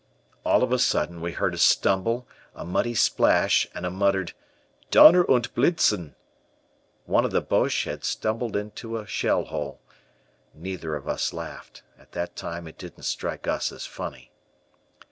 All of a sudden we heard a stumble, a muddy splash, and a muttered, "Donner und Blitzen". One of the Boches had tumbled into a shell hole. Neither of us laughed. At that time, it didn't strike us as funny.